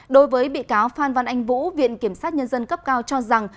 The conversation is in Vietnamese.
đối với bị cáo phan văn anh vũ viện kiểm sát nhân dân cấp cao cho rằng